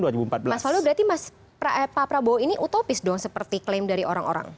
mas faldo berarti pak prabowo ini utopis dong seperti klaim dari orang orang